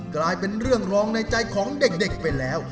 กลายเป็นเรื่องร้องในใจของเด็กไปแล้ว